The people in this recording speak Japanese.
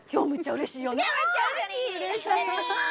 うれしい。